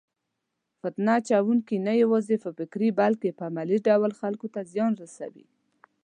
فتنه اچونکي نه یوازې په فکري بلکې په عملي ډول خلکو ته زیان رسوي.